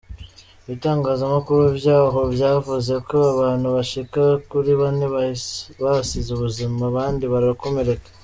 Ibitangazamakuru vyaho vyavuze ko abantu bashika kuri bane bahasize ubuzima abandi barakomereka.